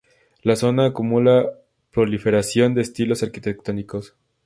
La zona acumula proliferación de estilos arquitectónicos.